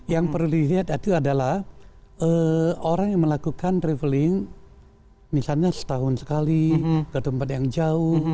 yang perlu dilihat itu adalah orang yang melakukan traveling misalnya setahun sekali ke tempat yang jauh